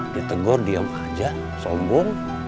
ditegor diam aja sombong